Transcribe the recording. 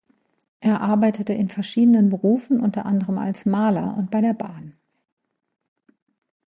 Er arbeitete in verschiedenen Berufen, unter anderem als Maler und bei der Bahn.